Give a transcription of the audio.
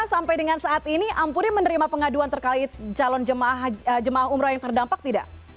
sampai dengan saat ini ampuri menerima pengaduan terkait calon jemaah umroh yang terdampak tidak